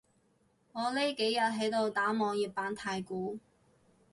我呢幾日喺度打網頁版太鼓